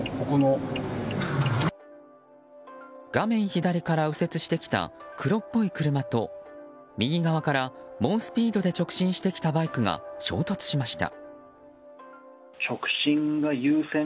画面左から右折してきた黒っぽい車と右側から猛スピードで直進してきたバイクが衝突しました。